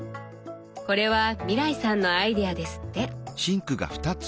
これは未來さんのアイデアですって。